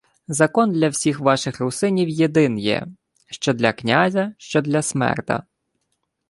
— Закон для всіх ваших русинів єдин є: що для князя, що для смерда.